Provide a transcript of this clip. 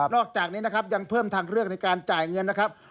อกจากนี้นะครับยังเพิ่มทางเลือกในการจ่ายเงินนะครับ